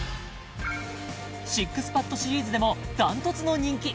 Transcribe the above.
ＳＩＸＰＡＤシリーズでもダントツの人気